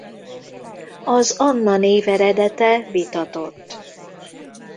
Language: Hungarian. Az Anna név eredete vitatott.